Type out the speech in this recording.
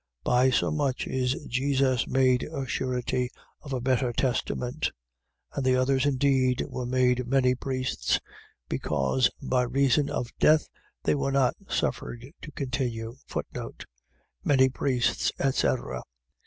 7:22. By so much is Jesus made a surety of a better testament. 7:23. And the others indeed were made many priests, because by reason of death they were not suffered to continue: Many priests, etc. ..